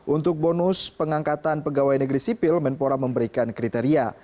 untuk bonus pengangkatan pegawai negeri sipil menpora memberikan kriteria